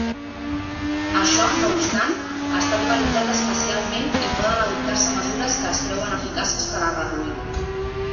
Això no obstant, està localitzat espacialment i poden adoptar-se mesures que es creuen eficaces per a reduir-ho.